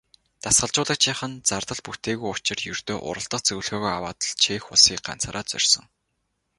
Дасгалжуулагчийнх нь зардал бүтээгүй учир ердөө уралдах зөвлөгөөгөө аваад л Чех улсыг ганцаараа зорьсон.